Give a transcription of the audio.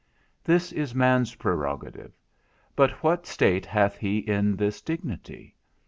This is man's prerogative; but what state hath he in this dignity?